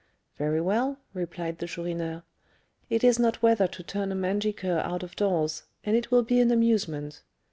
"Very well," replied the Chourineur; "it is not weather to turn a mangy cur out of doors, and it will be an amusement.